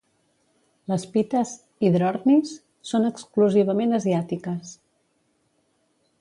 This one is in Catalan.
Les pites "Hydrornis" són exclusivament asiàtiques.